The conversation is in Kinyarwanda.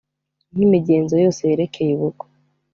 nk’imigenzo yose yerekeye ubukwe